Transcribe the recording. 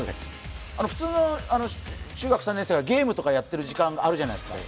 普通の中学３年生はゲームとかやっている時間があるじゃないですか。